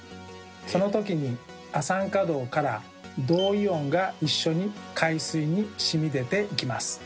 そのときに亜酸化銅から「銅イオン」が一緒に海水にしみ出ていきます。